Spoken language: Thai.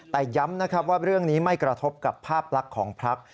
แต่ย้ำว่าเรื่องนี้ไม่กระทบกับภาพลักษณ์ของพลักษณ์